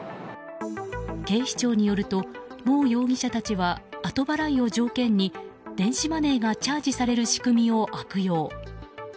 警視庁によるとモウ容疑者たちは後払いを条件に電子マネーがチャージされる仕組みを悪用。